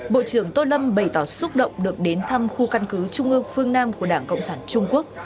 bộ trưởng tô lâm bày tỏ xúc động được đến thăm khu căn cứ trung ương phương nam của đảng cộng sản trung quốc